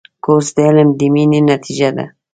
کورس د علم د مینې نتیجه ده.